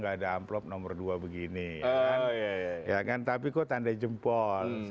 ada tanda jempol